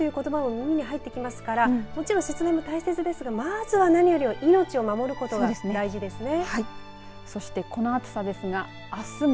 少し今、節電という言葉も耳に入ってきますからもちろん節電も大切ですが何よりも命を守ることが大事ですね。